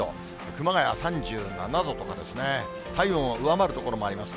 熊谷３７度とかですね、体温を上回る所もあります。